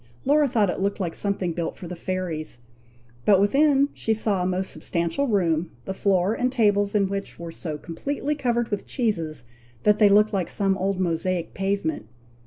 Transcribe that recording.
Laura thought it looked like something built for the fairies; but within she saw a most substantial room, the floor and tables in which were so completely covered with cheeses, that they looked like some old Mosaic pavement.